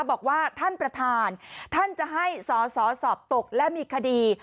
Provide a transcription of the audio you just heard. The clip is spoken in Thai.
บอกว่าท่านประธานท่านจะให้สอสอสอบตกและมีคดี